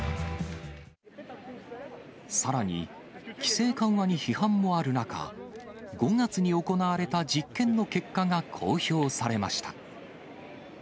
さらに、規制緩和に批判もある中、５月に行われた実験の結果が公表されました。